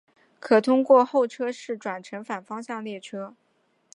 可通过候车室转乘反方向列车。